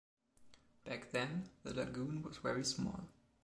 Back then, the lagoon was very small.